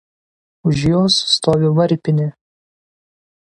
Už jos stovi varpinė.